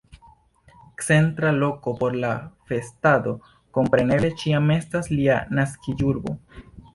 Centra loko por la festado kompreneble ĉiam estas lia naskiĝurbo.